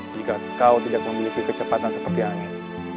jika kau tidak memiliki kecepatan seperti angin